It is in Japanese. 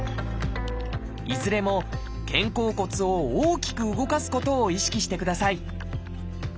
いずれも肩甲骨を大きく動かすことを意識してください。